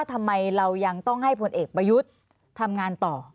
ทำไมเรายังต้องให้ผลเอกประยุทธ์ทำงานต่อ